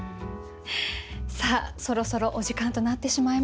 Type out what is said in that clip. さあそろそろお時間となってしまいました。